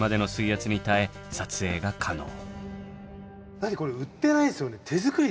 だってこれ売ってないですよね？